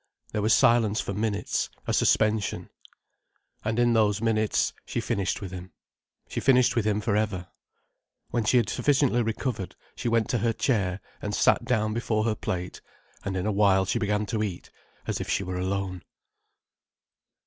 There was silence for minutes, a suspension. And in those minutes, she finished with him. She finished with him for ever. When she had sufficiently recovered, she went to her chair, and sat down before her plate. And in a while she began to eat, as if she were alone.